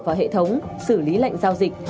vào hệ thống xử lý lệnh giao dịch